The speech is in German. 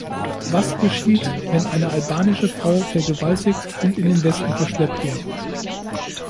Was geschieht, wenn eine albanische Frau vergewaltigt und in den Westen verschleppt wird?